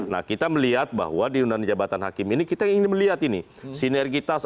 nah kita melihat bahwa di undang undang jabatan hakim ini kita ingin melihat ini sinergitas